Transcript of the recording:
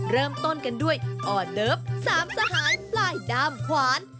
เริ่มต้นกันด้วยออเลิฟ๓สหายปลายด้ามขวาน